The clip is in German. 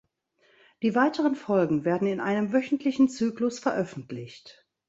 Die weiteren Folgen werden in einem wöchentlichen Zyklus veröffentlicht.